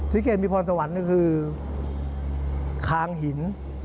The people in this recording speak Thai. ศรีเกียร์มีพรสวรรค์ก็คือค้างหิน